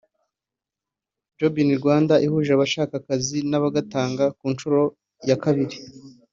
Job in Rwanda ihuje abashaka akazi n’abagatanga ku nshuro ya kabiri